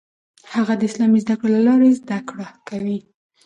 هغه د اسلامي زده کړو له لارې زده کړه کوي.